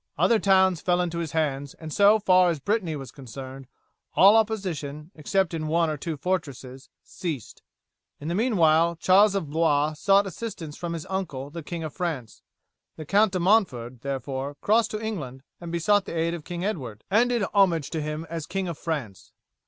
Other towns fell into his hands, and so far as Brittany was concerned all opposition, except in one or two fortresses, ceased. In the meanwhile Charles of Blois sought assistance from his uncle the King of France; the Count de Montford, therefore, crossed to England and besought the aid of King Edward, and did homage to him as King of France.